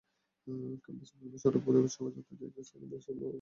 ক্যাম্পাসের বিভিন্ন সড়ক ঘুরে এসে শোভাযাত্রাটি একই স্থানে এসে সমাবেশে মিলিত হয়।